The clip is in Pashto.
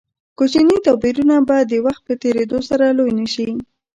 کوچني توپیرونه به د وخت په تېرېدو سره لوی نه شي.